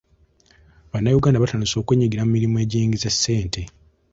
Bannayuganda batandise okwenyigira mu mirimu egyiyingiza ssente.